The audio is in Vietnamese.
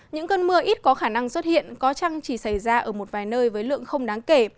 những cơn mưa ít có khả năng xuất hiện có trăng chỉ xảy ra ở một vài nơi với lượng không đáng kể